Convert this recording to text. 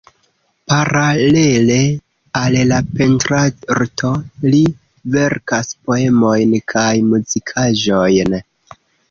Paralele al la pentrarto li verkas poemojn kaj muzikaĵojn.